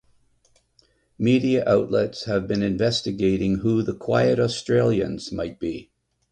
Media outlets have been investigating who the Quiet Australians might be.